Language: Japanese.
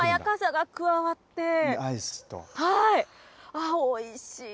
ああ、おいしい。